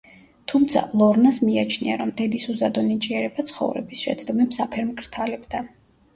თუმცა, ლორნას მიაჩნია, რომ დედის უზადო ნიჭიერება ცხოვრების შეცდომებს აფერმკრთალებდა.